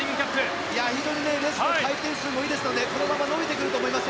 非常にレスの回転数もいいですのでこのまま伸びてくると思います。